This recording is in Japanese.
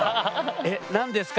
え何ですか？